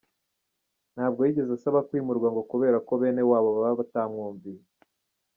Ntabwo yigeze asaba kwimurwa ngo kubera ko bene wabo baba batamwumviye!